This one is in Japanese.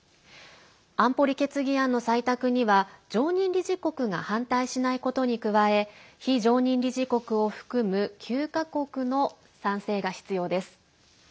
安保理決議案の採択には常任理事国が反対しないことに加え非常任理事国を含む９か国の賛成が必要です。